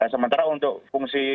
sementara untuk fungsi